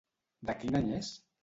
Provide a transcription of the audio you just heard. De quin any és?